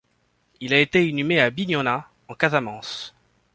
Il a été inhumé à Bignona, en Casamance.